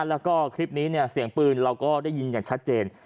แล้วก็คลิปนี้เนี่ยเสียงปืนเราก็ได้ยินอย่างชัดเจน